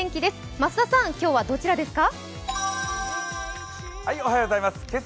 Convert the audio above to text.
増田さん、今日はどちらですか？